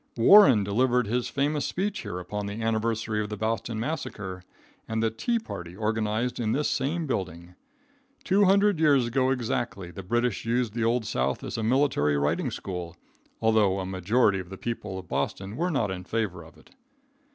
Warren delivered his famous speech here upon the anniversary of the Boston massacre and the "tea party" organized in this same building. Two hundred years ago exactly, the British used the Old South as a military riding school, although a majority of the people of Boston were not in favor of it.